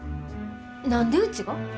何でうちが？